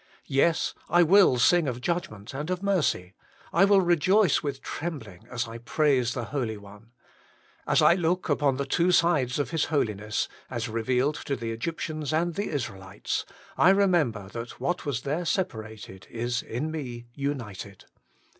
Yes, 1 will sing of judgment and of mercy. I will rejoice with trembling as I praise the Holy One. As I look upon the two sides of His Holiness, as revealed to the Egyptians and the Israelites, I remember that what was there separated is in me united.